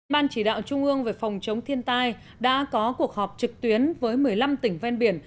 ban chỉ đạo trung ương về phòng chống thiên tai đã có cuộc họp trực tuyến với một mươi năm tỉnh ven biển